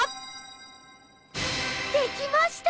できました！